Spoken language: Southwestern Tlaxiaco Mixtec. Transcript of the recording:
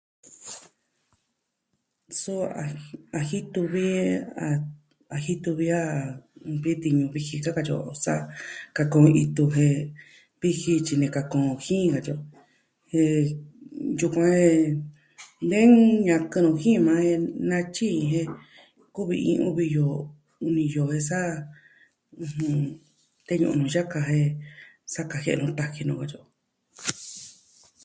Suu a jitu vi a... a jitu vi a vi tiñu viji da katyi o, sa kakɨn itu jen, viji xini kakɨn jin katyi o. Jen... yuku e... Nee ña kɨ'ɨn jin maa natyii jen... kuvi iin uvi yoo niyo jen sa... ɨjɨn, tee nu nuu yaka jen sa kajie'e nuu taji nu katyi o.